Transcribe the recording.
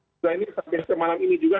selain ini sampai ke malam ini juga